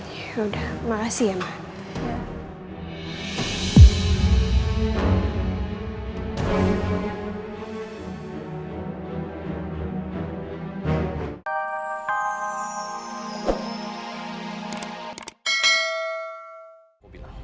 yaudah makasih ya mbak